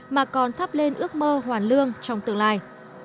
mà còn thắp lên ước mơ hoàn lương trong tương lai